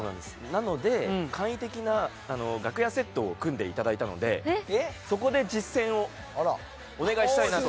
なので簡易的な楽屋セットを組んでいただいたのでそこで実践をお願いしたいなと。